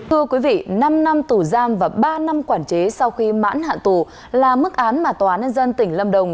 thưa quý vị năm năm tù giam và ba năm quản chế sau khi mãn hạn tù là mức án mà tòa án nhân dân tỉnh lâm đồng